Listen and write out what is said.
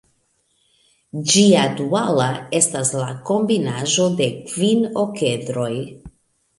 Ĝia duala estas la kombinaĵo de kvin okedroj.